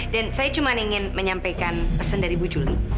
saya cuma ingin menyampaikan pesan dari bu juli